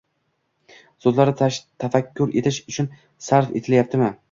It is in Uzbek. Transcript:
So’zlarni tafakkur etish uchun sarf etilayptimi?